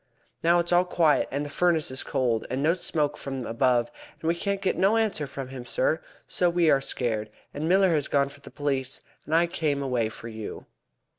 Now it's all quiet, and the furnace cold, and no smoke from above, but we can't get no answer from him, sir, so we are scared, and Miller has gone for the police, and I came away for you."